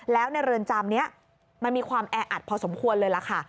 แล้วในเรือนจำนี้มันมีความแออัดพอสมควรเลยล่ะค่ะ